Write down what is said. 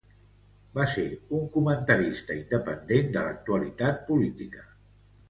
Va ser un comentarista independent de l'actualitat política.